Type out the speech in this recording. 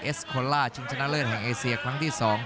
สโคล่าชิงชนะเลิศแห่งเอเซียครั้งที่๒